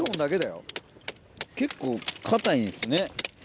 結構堅いんですね。